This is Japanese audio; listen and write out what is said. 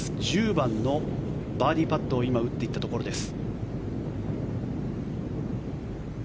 １０番のバーディーパットを今、打っていったところです。